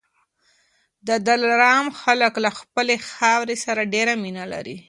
د دلارام خلک له خپلي خاورې سره ډېره مینه لري